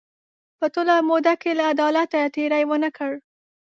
په ټوله موده کې له عدالته تېری ونه کړ.